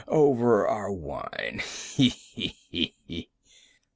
—over our wine—he! he! he!"